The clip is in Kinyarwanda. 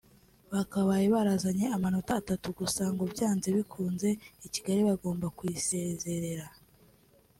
bakabaye barazanye amanota atatu gusa ngo byanze bikunze i Kigali bagomba kuyisezerera